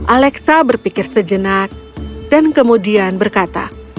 alexa berpikir sejenak dan kemudian berkata